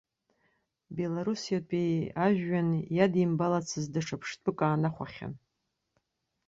Белоруссиатәи ажәҩан иадимбалацыз даҽа ԥштәык аанахәахьан.